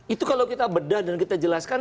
itu kalau kita bedah dan kita jelaskan